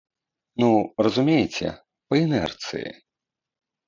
Ну, разумееце, па інэрцыі.